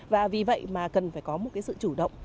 và vì vậy mà cần phải có một sự chủ động